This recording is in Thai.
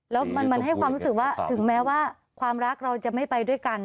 แล้วมันให้ความรู้สึกว่าถึงแม้ว่าความรักเราจะไม่ไปด้วยกัน